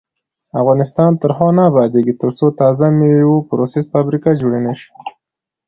افغانستان تر هغو نه ابادیږي، ترڅو د تازه میوو پروسس فابریکې جوړې نشي.